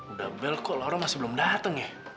udah bel kok laura masih belum dateng ya